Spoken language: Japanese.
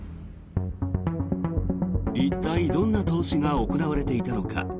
一体どんな投資が行われていたのか。